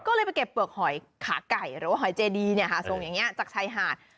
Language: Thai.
ก็เลยไปเก็บเปลือกหอยขาไก่หรือว่าหอยเจดีทรงอย่างนี้จากชายหาด